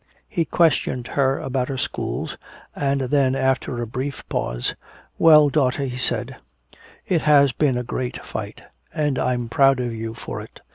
He questioned her about her schools. And then after a brief pause, "Well, daughter," he said, "it has been a great fight, and I'm proud of you for it.